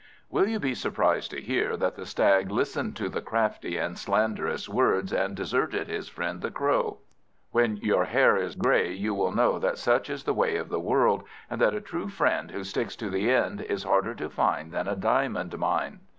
Will you be surprised to hear that the Stag listened to the crafty and slanderous words, and deserted his friend the Crow? When your hair is grey you will know that such is the way of the world, and that a true friend who sticks to the end, is harder to find than a diamond mine.